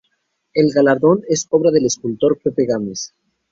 El galardón es obra del escultor Pepe Gámez.